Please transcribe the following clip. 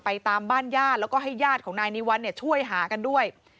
ตามบ้านญาติแล้วก็ให้ญาติของนายนิวัลช่วยหากันด้วย